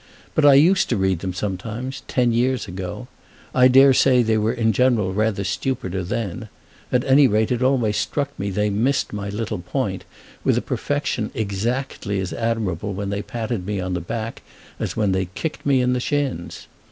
But I used to read them sometimes—ten years ago. I dare say they were in general rather stupider then; at any rate it always struck me they missed my little point with a perfection exactly as admirable when they patted me on the back as when they kicked me in the shins.